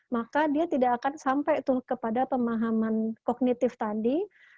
maka dia tidak akan sampai tuh kepada pemahaman kognitif tadi